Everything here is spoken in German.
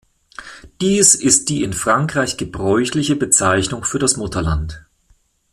Dies ist die in Frankreich gebräuchliche Bezeichnung für das Mutterland.